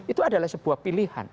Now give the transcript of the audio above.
itu adalah sebuah pilihan